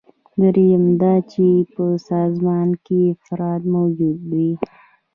دریم دا چې په سازمان کې افراد موجود وي.